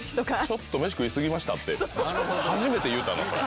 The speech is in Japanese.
「ちょっと飯食い過ぎました」って初めて言うたそれ。